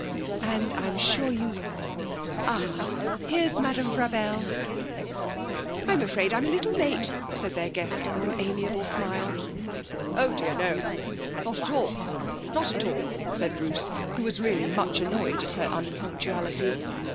'And I'm sure you will. Ah, here's Madame Frabelle.' 'I'm afraid I'm a little late,' said their guest, with her amiable smile. 'Oh dear, no not at all, not at all,' said Bruce, who was really much annoyed at her unpunctuality.